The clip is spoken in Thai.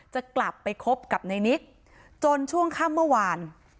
จะกลับไปคบกับในนิกจนช่วงค่ำเมื่อวาน